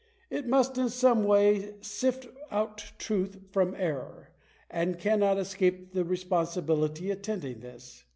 It must in some way sift out truth from error, and cannot escape the responsibility attending this.